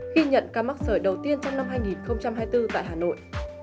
khi nhận ca mắc sởi đầu tiên trong năm hai nghìn hai mươi bốn tại hà nội